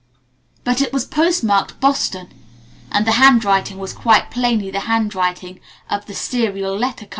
But it was post marked, "Boston"; and the handwriting was quite plainly the handwriting of The Serial Letter Co.